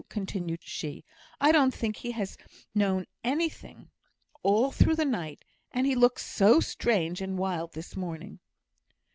continued she; "I don't think he has known anything all through the night, and he looks so strange and wild this morning."